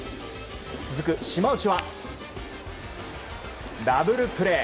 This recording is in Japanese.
続く、島内はダブルプレー。